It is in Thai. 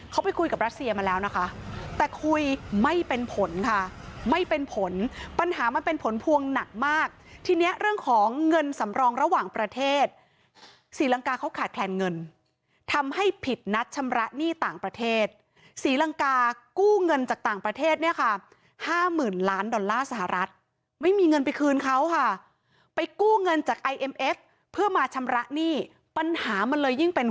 เขาไปคุยกับรัสเซียมาแล้วนะคะแต่คุยไม่เป็นผลค่ะไม่เป็นผลปัญหามันเป็นผลพวงหนักมากทีเนี้ยเรื่องของเงินสำรองระหว่างประเทศศรีลังกาเขาขาดแคลนเงินทำให้ผิดนัดชำระหนี้ต่างประเทศศรีลังกากู้เงินจากต่างประเทศเนี่ยค่ะห้าหมื่นล้านดอลลาร์สหรัฐไม่มีเงินไปคืนเขาค่ะไปกู้เงินจากไอเอ็มเอฟเพื่อมาชำระหนี้ปัญหามันเลยยิ่งเป็น